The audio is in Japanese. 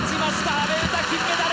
阿部詩、金メダル。